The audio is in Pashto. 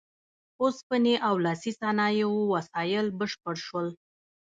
اوسپنې او لاسي صنایعو وسایل بشپړ شول.